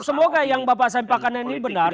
semoga yang bapak sampaikan ini benar